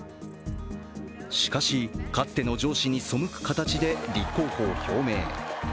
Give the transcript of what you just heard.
しかし、かつての上司に背く形で立候補を表明。